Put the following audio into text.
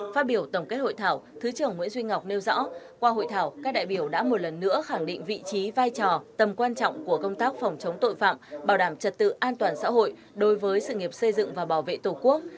phát biểu tổng kết hội thảo thứ trưởng nguyễn duy ngọc nêu rõ qua hội thảo các đại biểu đã một lần nữa khẳng định vị trí vai trò tầm quan trọng của công tác phòng chống tội phạm bảo đảm trật tự an toàn xã hội đối với sự nghiệp xây dựng và bảo vệ tổ quốc